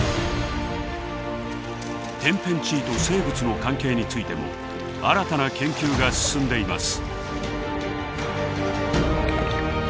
天変地異と生物の関係についても新たな研究が進んでいます。